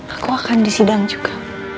aku akan disidang juga